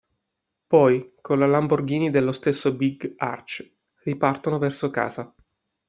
Poi, con la Lamborghini dello stesso Big Arch, ripartono verso casa.